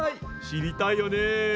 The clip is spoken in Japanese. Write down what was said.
知りたいよね。